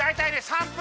３分！